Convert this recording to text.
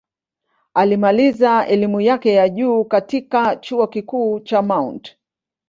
Alimaliza elimu yake ya juu katika Chuo Kikuu cha Mt.